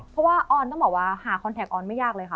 เพราะว่าออนต้องบอกว่าหาคอนแท็ออนไม่ยากเลยค่ะ